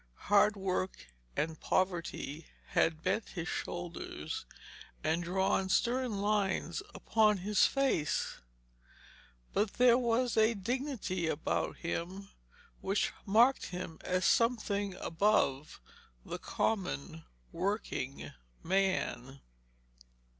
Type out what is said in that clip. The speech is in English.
Hard work and poverty had bent his shoulders and drawn stern lines upon his face, but there was a dignity about him which marked him as something above the common working man.